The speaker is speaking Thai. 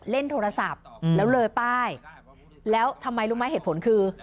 เล่นโทรศัพท์แล้วเลยป้ายแล้วทำไมรู้ไหมเหตุผลคือ